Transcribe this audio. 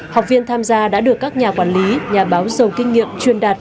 học viên tham gia đã được các nhà quản lý nhà báo giàu kinh nghiệm truyền đạt